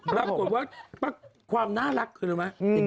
ปรากฏว่าปั๊กความน่ารักคุณรู้ไหมอืม